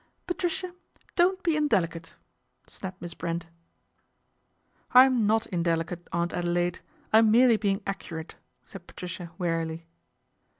' Patricia, don't be indelicate," snapped Miss Brent. " I'm not indelicate, Aunt Adelaide, I'm merely being accurate," said Patricia wearily.